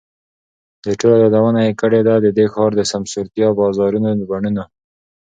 د ټولو یادونه یې کړې ده، د دې ښار د سمسورتیا، بازارونو، بڼونو،